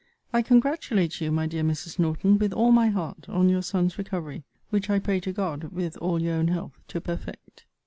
I congratulate you, my dear Mrs. Norton, with all my heart, on your son's recovery; which I pray to God, with all your own health, to perfect.